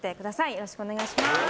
よろしくお願いします。